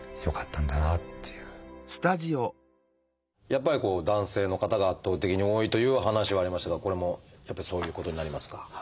やっぱりこう男性の方が圧倒的に多いという話はありましたがこれもやっぱりそういうことになりますか？